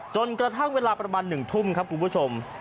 จนกระทั่งเวลาประมาณ๑ทุ่มครับคุณผู้ชม